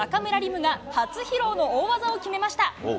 夢が、初披露の大技を決めました。